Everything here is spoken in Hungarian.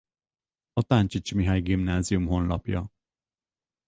A Táncsics Mihály Gimnázium honlapja